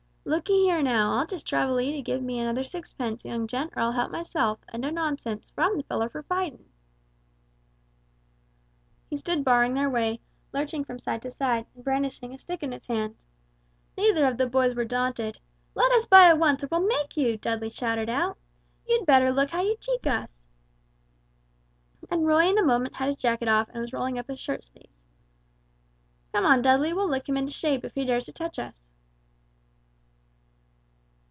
"Look 'ee here now, I'll just trouble 'ee to give me another sixpence, young gent, or I'll help myself, and no nonsense, for I'm the feller for fightin'!" He stood barring their way, lurching from side to side, and brandishing a stick in his hand. Neither of the boys were daunted. Dudley shouted out, "Let us by at once, or we'll make you! You'd better look out how you cheek us!" And Roy in a moment had his jacket off, and was rolling up his shirt sleeves. "Come on, Dudley, we'll lick him into shape, if he dares to touch us!"